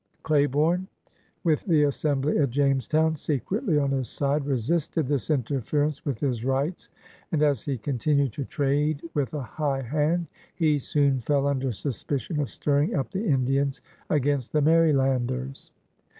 Claiborne, with the Assembly at Jamestown se cretly on his side, resisted this interference with his rights, and, as he continued to trade with a high hand, he soon fell imder suspicion of stirring up the Indians against the Marylanders.